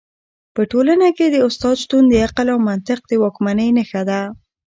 په ټولنه کي د استاد شتون د عقل او منطق د واکمنۍ نښه ده.